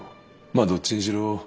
まあどっちにしろ